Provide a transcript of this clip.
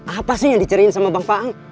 apa sih yang dicariin sama bang paang